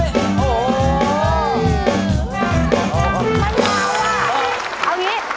เอาอย่างงี้